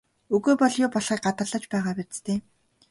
Үгүй бол юу болохыг гадарлаж байгаа биз дээ?